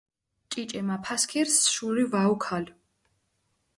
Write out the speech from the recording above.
ჭიჭე მაფასქირს შური ვაუქალჷ.